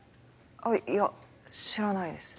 いや知らないです。